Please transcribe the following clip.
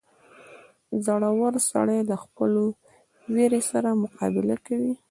• زړور سړی د خپلو وېرې سره مقابله کوي.